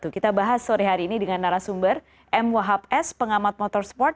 kita bahas sore hari ini dengan narasumber m wahab s pengamat motorsport